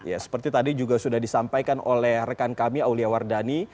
ya seperti tadi juga sudah disampaikan oleh rekan kami aulia wardani